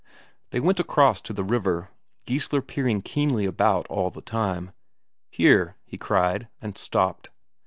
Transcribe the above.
They went across to the river, Geissler peering keenly about all the time. "Here!" he cried, and stopped.